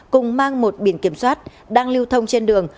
cùng mang một biển kiểm soát đang lưu thông trên đường